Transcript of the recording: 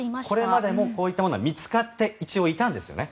これまでもこういうものは見つかってはいたんですよね。